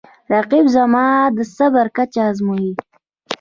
رقیب زما د صبر کچه ازموي